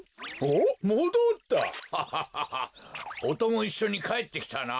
おともいっしょにかえってきたな。